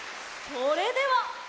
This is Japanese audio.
それでは。